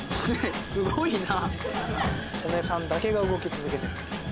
すごいな曽根さんだけが動き続けてる。